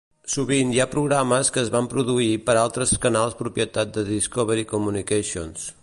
Sovint hi ha programes que es van produir per a altres canals propietat de Discovery Communications.